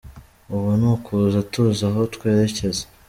Ubu ni ukuza tuzi aho twerekeza.